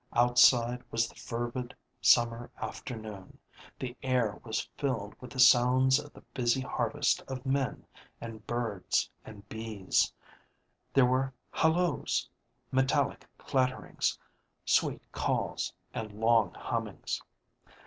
Outside was the fervid sunnier afternoon; the air was filled with the sounds of the busy harvest of men and birds and bees; there were halloos, metallic clattering, sweet calls, and long hummings.